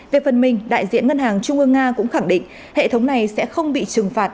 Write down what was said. về phần mình đại diện ngân hàng trung ương nga cũng khẳng định hệ thống này sẽ không bị trừng phạt